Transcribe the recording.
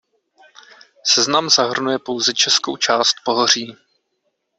Seznam zahrnuje pouze českou část pohoří.